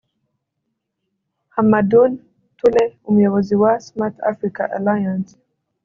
Hamadoun Touré umuyobozi wa Smart Africa Alliance